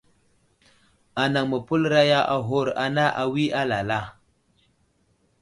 Anaŋ məpələraya aghur ana awi alala.